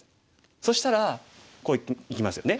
そしたらこういきますよね。